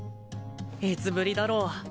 いつぶりだろう？